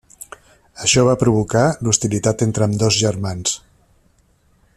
Això va provocar l'hostilitat entre ambdós germans.